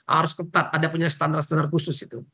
harus ketat ada punya standar standar khusus itu